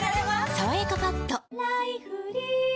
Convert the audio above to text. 「さわやかパッド」